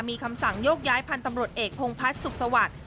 มีคำสั่งโยกย้ายพันธุ์ตำรวจเอกพงพัฒน์สุขสวัสดิ์